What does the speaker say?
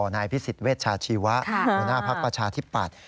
นายพิสิทธิเวชชาชีวะหัวหน้าภักดิ์ประชาธิปัตย